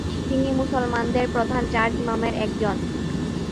তিনি মুসলমানদের প্রধান চার ইমামের একজন।